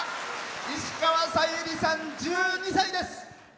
石川さゆりさん、１２歳です。